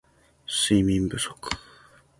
睡眠不足